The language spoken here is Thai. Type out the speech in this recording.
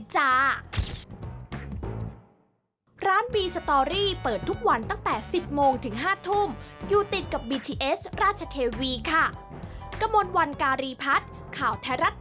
แชะเลยจ้า